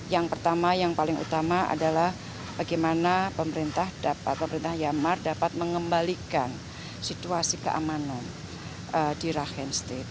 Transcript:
yang pertama yang paling utama adalah bagaimana pemerintah myanmar dapat mengembalikan situasi keamanan di rakhine state